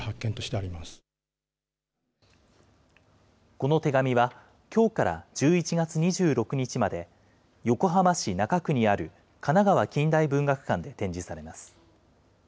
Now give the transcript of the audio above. この手紙はきょうから１１月２６日まで、横浜市中区にある神奈川近代文学館で展示されます。